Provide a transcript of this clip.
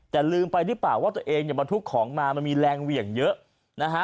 แต่ลืมไปหรือเปล่าว่าตัวเองเนี่ยบรรทุกของมามันมีแรงเหวี่ยงเยอะนะฮะ